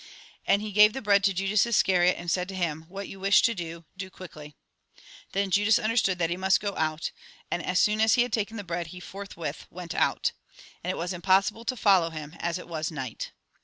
And he gave the bread to Judas Iscariot, and said to him :" What you wish to do, do quickly." Then Judas under stood that he must go out, and as soon as he had taken tlie bread he forthwith went out. And it was impossible to follow him, as it was night.